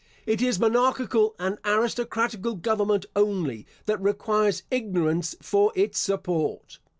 It is monarchical and aristocratical government only that requires ignorance for its support.